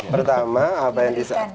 pertama apa yang disaksikan